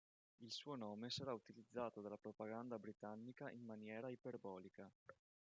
Il suo nome sarà utilizzato dalla propaganda britannica in maniera iperbolica.